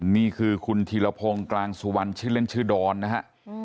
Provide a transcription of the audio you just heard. นี่คือคุณธีรพงศ์กลางสุวรรณชื่อเล่นชื่อดอนนะฮะ